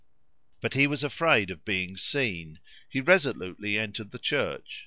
But he was afraid of being seen; he resolutely entered the church.